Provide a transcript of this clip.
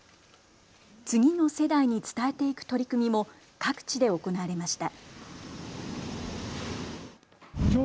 次の世代に伝えていく取り組みも各地で行われました。